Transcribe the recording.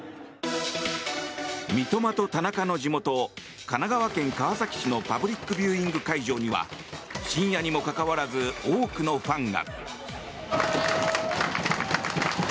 三笘と田中の地元神奈川県川崎市のパブリックビューイング会場には深夜にもかかわらず多くのファンが。